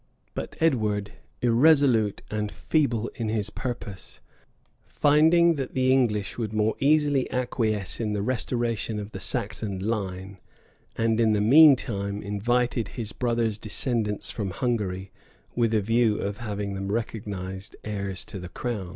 [] But Edward, irresolute and feeble in his purpose, finding that the English would more easily acquiesce in the restoration of the Saxon line, and in the mean time invited his brother's descendants from Hungary, with a view of having them recognized heirs to the crown.